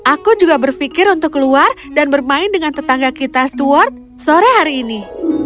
aku juga berpikir untuk keluar dan bermain dengan tetangga kita steward sore hari ini